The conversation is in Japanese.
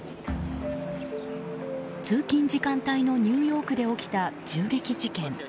通勤時間帯のニューヨークで起きた銃撃事件。